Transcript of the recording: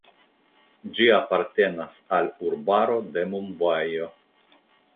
Ĝi apartenas al urbaro de Mumbajo.